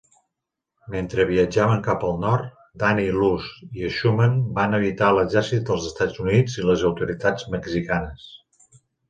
Mentre viatjaven cap al nord, Danny, Luz i Schumann van evitar l'exèrcit dels EUA i les autoritats mexicanes.